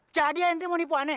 jadi ente mau nipu aneh